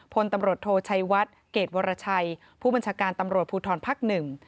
พลตำรวจโทชัยวัดเกรดวรชัยผู้บัญชาการตำรวจภูทรภักดิ์หนึ่ง